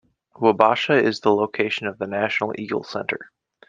Wabasha is the location of the National Eagle Center.